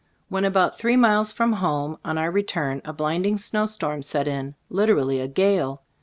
When about three miles from home, on our return, a blinding snowstorm set in, literally a gale.